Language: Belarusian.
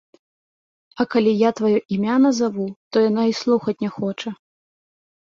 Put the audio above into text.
А калі я тваё імя назаву, то яна і слухаць не хоча.